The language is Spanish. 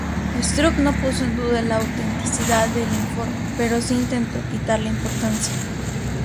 Stroop no puso en duda la autenticidad del informe pero sí intentó quitarle importancia.